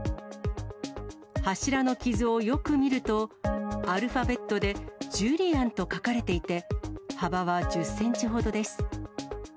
柱の傷をよく見ると、アルファベットでＪｕｌｉａｎと書かれていて、幅は１０センチほどです。